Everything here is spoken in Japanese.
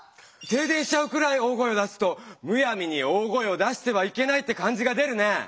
停電しちゃうくらい大声を出すと「むやみに大声を出してはいけない」って感じが出るね。